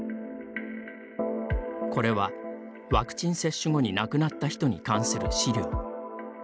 これは、ワクチン接種後に亡くなった人に関する資料。